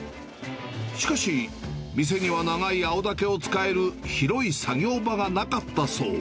しかし、店には長い青竹を使える広い作業場がなかったそう。